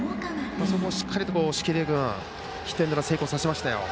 そこでしっかりと押切君ヒットエンドランを成功させました。